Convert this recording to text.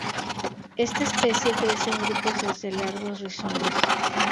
Esta especie crece en grupos desde largos rizomas.